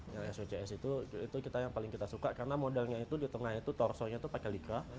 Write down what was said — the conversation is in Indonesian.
yang swcs itu yang paling kita suka karena modelnya itu di tengah itu torsonya itu pakai lika